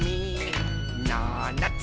「ななつ